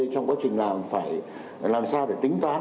trong quá trình làm phải làm sao để tính toán